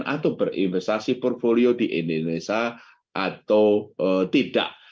atau berinvestasi portfolio di indonesia atau tidak